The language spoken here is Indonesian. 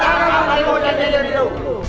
harimau jadi jadian itu